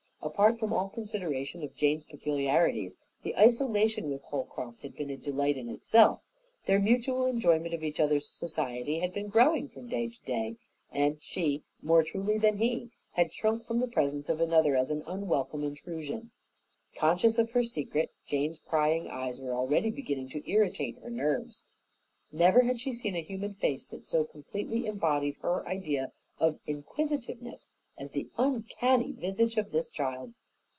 Apart from all consideration of Jane's peculiarities, the isolation with Holcroft had been a delight in itself. Their mutual enjoyment of each other's society had been growing from day to day, and she, more truly than he, had shrunk from the presence of another as an unwelcome intrusion. Conscious of her secret, Jane's prying eyes were already beginning to irritate her nerves. Never had she seen a human face that so completely embodied her idea of inquisitiveness as the uncanny visage of this child.